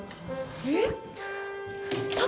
えっ？